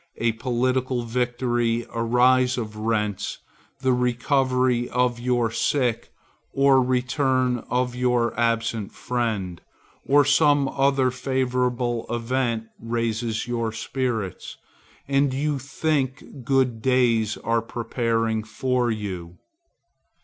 A political victory, a rise of rents, the recovery of your sick or the return of your absent friend, or some other favorable event raises your spirits, and you think good days are preparing for you.